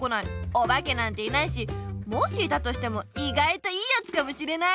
おばけなんていないしもしいたとしてもいがいといいやつかもしれない。